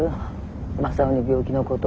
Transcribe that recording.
雅夫に病気のこと。